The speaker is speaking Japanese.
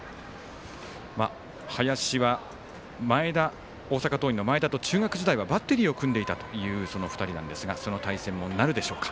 林は、大阪桐蔭の前田と中学時代はバッテリーを組んでいたという２人ですがその対戦もなるでしょうか。